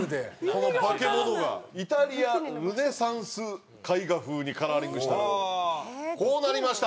このバケモノがイタリア・ルネサンス絵画風にカラーリングしたらこうなりました。